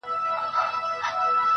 ما خو ګومان کاوه چې ته تر ټولو